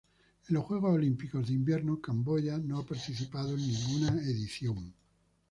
En los Juegos Olímpicos de Invierno Camboya no ha participado en ninguna edición.